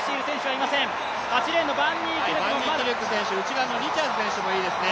バンニーキルク選手、内側のリチャーズ選手もいいですね。